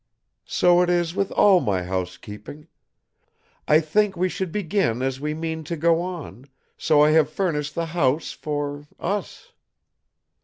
So it is with all my housekeeping. I think we should begin as we mean to go on, so I have furnished the house for us.